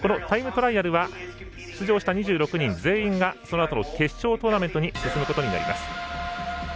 タイムトライアルは出場した２６人全員がそのあとの決勝トーナメントに進むことになります。